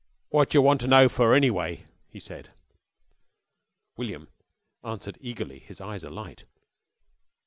"What yer want ter know fer, anyway?" he said. William answered eagerly, his eyes alight.